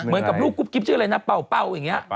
เหมือนกับลูกกุ๊กกิ๊บชื่ออะไรนะเป่าอย่างนี้